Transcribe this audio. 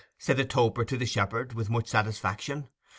said the toper to the shepherd with much satisfaction.